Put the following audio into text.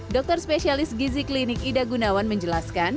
dokter spesialis gizi klinik ida gunawan menjelaskan